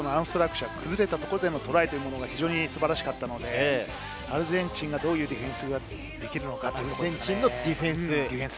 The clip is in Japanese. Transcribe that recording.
崩れたところでのトライが素晴らしかったので、アルゼンチンがどういうディフェンスができるのか。